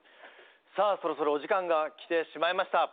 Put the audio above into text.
さあそろそろお時間が来てしまいました。